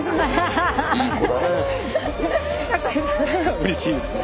うれしいですね。